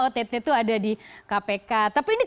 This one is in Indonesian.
ott itu ada di kpk tapi ini